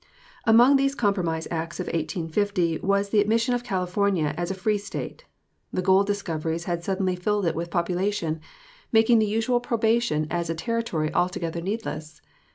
Among these compromise acts of 1850 was the admission of California as a free State. The gold discoveries had suddenly filled it with population, making the usual probation as a Territory altogether needless.